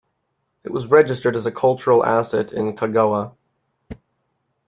It is registered as a cultural asset in Kagawa.